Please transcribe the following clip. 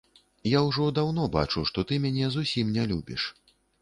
Я ўжо даўно бачу, што ты мяне зусім не любіш.